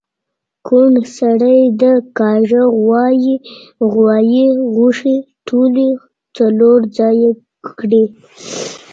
کوڼ سړي د کاږه غوایی غوښې ټولی څلور ځایه کړی